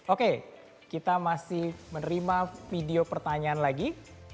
oke kita masih menerima video pertanyaan lagi